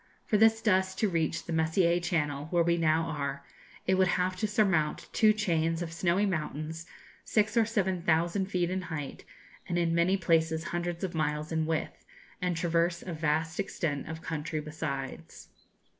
For this dust to reach the Messier Channel, where we now are, it would have to surmount two chains of snowy mountains, six or seven thousand feet in height, and in many places hundreds of miles in width, and traverse a vast extent of country besides.